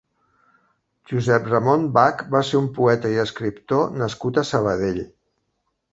Josep-Ramon Bach va ser un poeta i escriptor nascut a Sabadell.